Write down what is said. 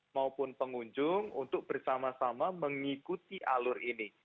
maupun pengunjung untuk bersama sama mengikuti alur ini